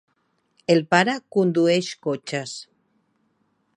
El pare condueix cotxes.